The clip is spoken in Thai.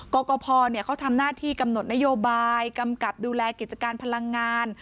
กกพเขาทำหน้าที่กำหนดนโยบายกำกับดูแลกิจการพลังงาน